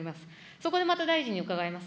そこでまた大臣に伺います。